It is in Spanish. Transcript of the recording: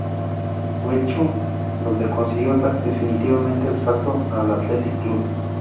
Guecho, donde consiguió dar definitivamente el salto al Athletic Club.